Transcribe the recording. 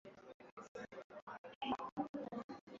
kwa upande wa Serikali za Mitaa